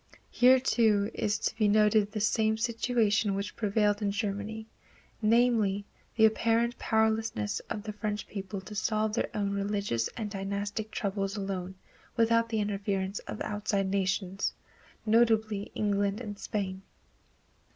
Here, too, is to be noted the same situation which prevailed in Germany, namely, the apparent powerlessness of the French people to solve their own religious and dynastic troubles alone without the interference of outside nations, notably England and Spain.